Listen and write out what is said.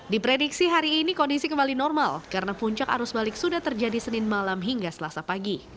diprediksi hari ini kondisi kembali normal karena puncak arus balik sudah terjadi senin malam hingga selasa pagi